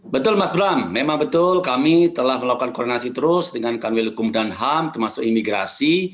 betul mas bram memang betul kami telah melakukan koordinasi terus dengan kanwil hukum dan ham termasuk imigrasi